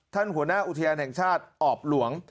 หัวหน้าอุทยานแห่งชาติออบหลวง